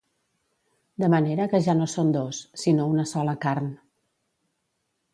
De manera que ja no són dos, sinó una sola carn.